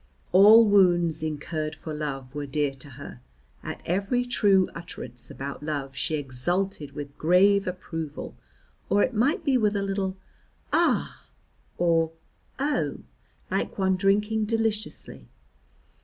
All wounds incurred for love were dear to her; at every true utterance about love she exulted with grave approval, or it might be a with a little "ah!" or "oh!" like one drinking deliciously.